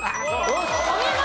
お見事！